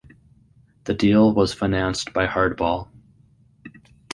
The deal was financed by Hardball.